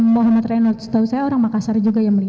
muhammad renold setahu saya orang makassar juga yang mulia